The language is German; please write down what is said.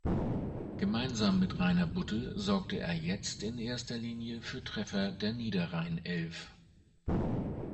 Gemeinsam mit Rainer Budde sorgte er jetzt in erster Linie für Treffer der Niederrhein-Elf.